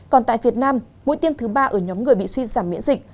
còn tại việt nam mũi tiêm thứ ba ở nhóm người bị suy giảm miễn dịch